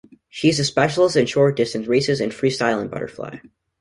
She is a specialist in short distances races in freestyle and butterfly.